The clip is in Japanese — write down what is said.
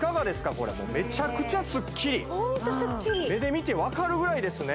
これめちゃくちゃスッキリ目で見て分かるぐらいですね